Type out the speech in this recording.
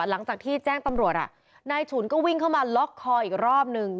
หลังจากที่แจ้งตำรวจนายฉุนก็วิ่งเข้ามาล็อกคออีกรอบนึง